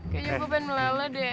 kayaknya gue pengen meleleh deh kak